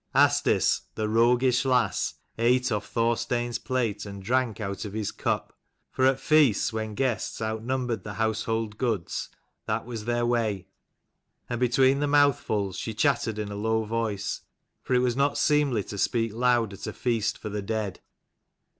Asdis, the roguish lass, ate off Thorstein's plate and drank out of his cup, for at feasts when guests outnumbered the household goods, that was their way. And between the mouthfuls she chattered in a low voice, for it was not seemly to speak loud at a feast for the dead.